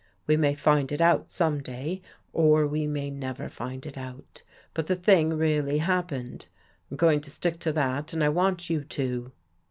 We may find it out some day, or we may never find it out. But the thing really happened. I'm going to stick to that and I want you to."